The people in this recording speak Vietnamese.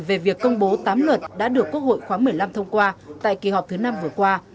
về việc công bố tám luật đã được quốc hội khóa một mươi năm thông qua tại kỳ họp thứ năm vừa qua